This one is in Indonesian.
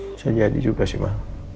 bisa jadi juga sih pak